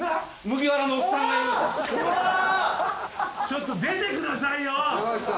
ちょっと出てくださいよ！